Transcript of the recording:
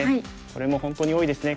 これも本当に多いですね。